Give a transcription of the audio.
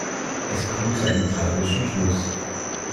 Es kommt zu einem tragischen Schluss.